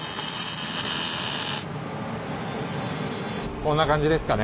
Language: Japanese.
こんな感じですかね。